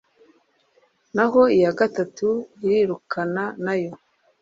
naho iya gatatu irirukana nayo